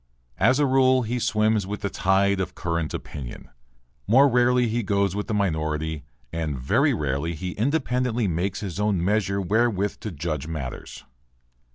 As a rule he swims with the tide of current opinion; more rarely he goes with the minority and very rarely he independently makes his own measure wherewith to judge matters.